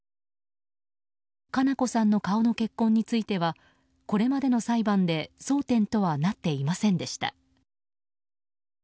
佳菜子さんの顔の血痕についてはこれまでの裁判で争点とはなっていませんでした。